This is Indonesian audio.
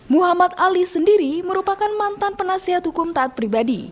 muhammad ali sendiri merupakan mantan penasihat hukum taat pribadi